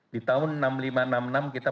di tahun enam puluh lima enam puluh enam kita